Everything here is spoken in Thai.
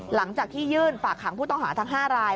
หลังจากที่ยื่นฝากขังผู้ต้องหาทั้ง๕ราย